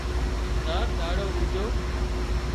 زار ۮاڙو اُوڄو